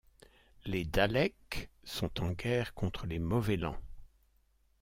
Les Daleks sont en guerre contre les Movellans.